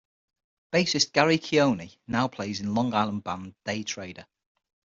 Bassist Gary Cioni now plays in Long Island band Daytrader.